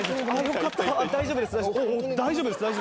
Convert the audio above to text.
大丈夫です大丈夫です。